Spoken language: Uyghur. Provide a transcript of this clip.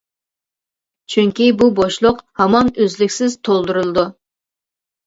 چۈنكى بۇ بوشلۇق ھامان ئۈزلۈكسىز تولدۇرۇلىدۇ.